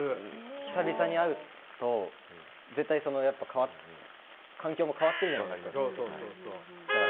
久々に会うと、絶対環境も変わってるじゃないですか。